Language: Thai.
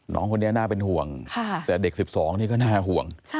น้องคนนี้น่าเป็นห่วงแต่เด็ก๑๒นี่ก็น่าห่วง